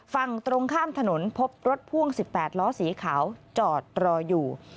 ฝั่งตรงข้ามถนนพบรถพ่วง๑๘ล้อสีขาวจอดรออยู่